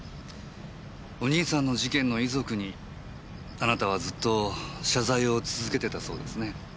お兄さんの事件の遺族にあなたはずっと謝罪を続けてたそうですね。